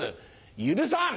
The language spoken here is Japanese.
許さん！